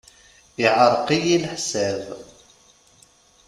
Iɛreq-iyi leḥsab.